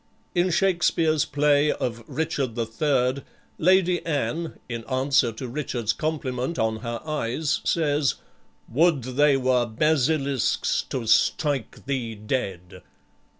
In Shakspeare's play of "Richard the Third," Lady Anne, in answer to Richard's compliment on her eyes, says, "Would they were basilisk's, to strike thee dead!"